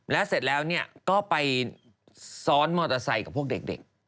แล้วเสร็จแล้วก็ไปซ้อนมอเตอร์ไซค์กับพวกเด็ก